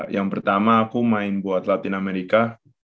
yang pertama aku main buat latin amerika